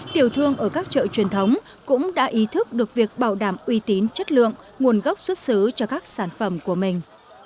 tiểu thương ở các chợ truyền thống cũng đã ý thức được việc bảo đảm uy tín chất lượng nguồn gốc xuất xứ cho các sản phẩm của mình